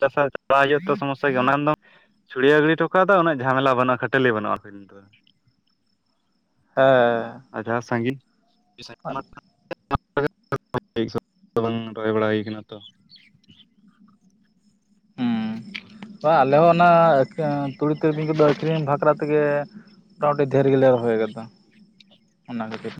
ᱪᱟᱥᱼᱟ, ᱪᱟᱞᱟᱣ ᱦᱩᱭᱩᱜᱼᱟ ᱛᱚ ᱥᱚᱢᱚᱥᱥᱟ ᱜᱮ, ᱚᱱᱟ ᱨᱮᱸ ᱫᱚᱢ ᱪᱷᱩᱲᱭᱟᱹ ᱜᱤᱰᱤ ᱚᱴᱚ ᱠᱟᱜ ᱛᱚ ᱩᱱᱟᱹᱜ ᱡᱷᱟᱢᱮᱞᱟ ᱵᱟᱹᱱᱩᱜᱼᱟ, ᱠᱷᱟᱹᱴᱟᱹᱞᱤᱭᱟᱹ ᱵᱟᱹᱱᱩᱜᱼᱟ, ᱟᱹᱵᱤᱱ ᱫᱚ᱾ ᱦᱮ, ᱟᱪᱪᱷᱟ ᱥᱟᱺᱜᱤᱧ ᱥᱟᱺᱜᱤᱱ *unintelligible* *unintelligible* ᱮ ᱥᱟᱵ ᱛᱚ ᱵᱟᱝ ᱨᱚᱦᱚᱭ ᱵᱟᱲᱟ ᱦᱩᱭ ᱠᱟᱱᱟ ᱛᱚ᱾ ᱦᱩᱸ ᱵᱟ ᱟᱞᱮ ᱦᱚᱸ ᱚᱱᱟ ᱮᱸᱠᱮ ᱛᱩᱲᱤ ᱛᱤᱞᱢᱤᱧ ᱠᱚᱫᱚ ᱟᱹᱠᱷᱨᱤᱝ ᱵᱷᱟᱠᱨᱟ ᱛᱮᱜᱮ ᱢᱚᱴᱟ ᱢᱩᱴᱤ ᱫᱷᱮᱨ ᱜᱮᱞᱮ ᱨᱚᱦᱚᱭ ᱟᱠᱟᱫᱟ, ᱚᱱᱟ ᱠᱷᱟᱹᱛᱤᱨ᱾